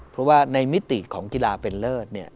เพราะว่าในมิติของกีฬาเป็นเลิศ